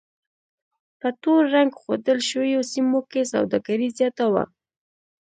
په تور رنګ ښودل شویو سیمو کې سوداګري زیاته وه.